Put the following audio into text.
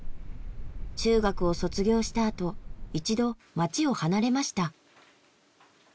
中学を卒業したあと一度町を離れました。